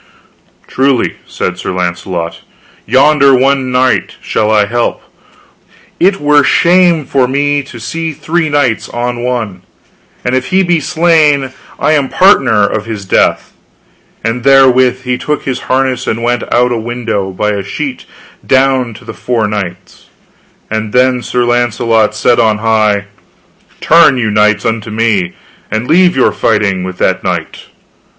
Truly, said Sir Launcelot, yonder one knight shall I help, for it were shame for me to see three knights on one, and if he be slain I am partner of his death. And therewith he took his harness and went out at a window by a sheet down to the four knights, and then Sir Launcelot said on high, Turn you knights unto me, and leave your fighting with that knight.